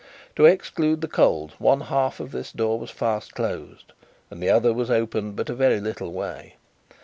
To exclude the cold, one half of this door was fast closed, and the other was opened but a very little way.